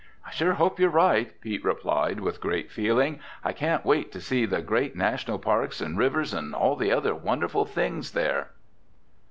"I sure hope you're right," Pete replied, with great feeling. "I can't wait to see the great national parks and rivers and all the other wonderful things there!"